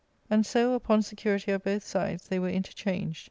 £And so, upon security of both sides, they were inter changed.